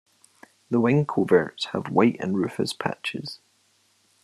The wing coverts have white and rufous patches.